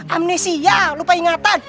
amnesia lupa ingatan